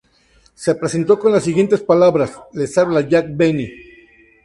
Se presentó con las siguientes palabras: "Les habla Jack Benny.